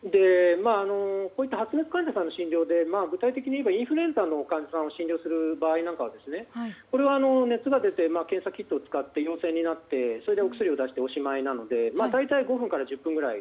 こういった発熱患者さんの診察で具体的にインフルエンザの診療する場合は熱が出て検査キットを使って陽性になってそれで、お薬を出しておしまいなので大体５分から１０分ぐらい。